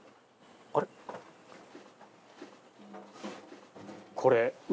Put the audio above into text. あれ？